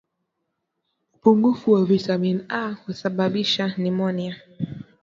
upungufu wa vitamini A husababisha nimonia